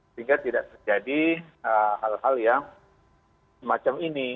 sehingga tidak terjadi hal hal yang semacam ini